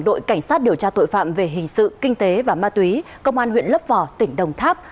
đội cảnh sát điều tra tội phạm về hình sự kinh tế và ma túy công an huyện lấp vò tỉnh đồng tháp